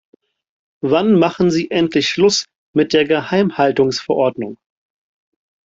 Wann machen Sie endlich Schluss mit der Geheimhaltungsverordnung?